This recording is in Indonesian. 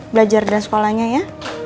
belajar dan sekolahnya ya